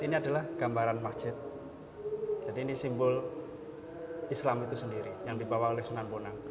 ini adalah gambaran masjid jadi ini simbol islam itu sendiri yang dibawa oleh sunan bonang